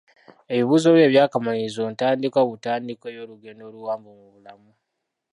Ebibuuzo byo eby'akamalirizo ntandikwa butandikwa ey'olugendo oluwanvu mu bulamu.